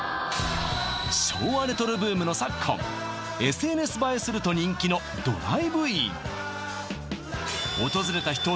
昭和レトロブームの昨今ＳＮＳ映えすると人気のドライブイン！